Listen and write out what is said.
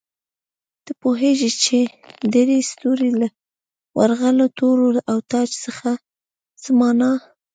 ته پوهېږې چې درې ستوري، له ورغلو تورو او تاج څه مانا؟